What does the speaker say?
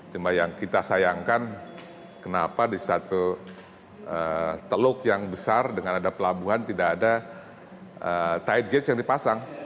cuma yang kita sayangkan kenapa di satu teluk yang besar dengan ada pelabuhan tidak ada tight gates yang dipasang